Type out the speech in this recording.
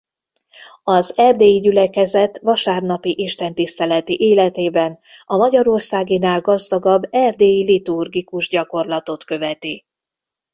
Az Erdélyi Gyülekezet vasárnapi istentiszteleti életében a magyarországinál gazdagabb erdélyi liturgikus gyakorlatot követi.